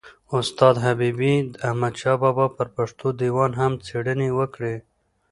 استاد حبیبي احمدشاه بابا پر پښتو دېوان هم څېړني وکړې.